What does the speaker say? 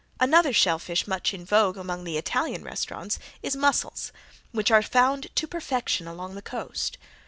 Another shell fish much in vogue among the Italian restaurants is mussels, which are found to perfection along the coast.